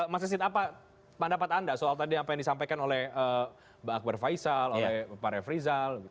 mas resid apa pendapat anda soal tadi apa yang disampaikan oleh bang akbar faisal pak arief rizal